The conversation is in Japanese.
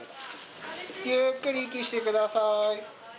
ゆっくり息して下さい。